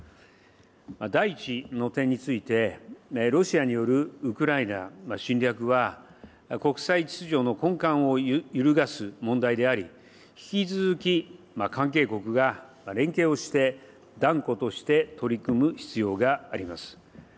第１の点について、ロシアによるウクライナ侵略は、国際秩序の根幹を揺るがす問題であり、引き続き関係国が連携をして断固として取り組む必要があります。